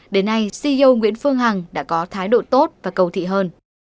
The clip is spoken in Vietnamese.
đến nay ceo nguyễn phương hằng đã có thái độ tốt và cầu thị hơn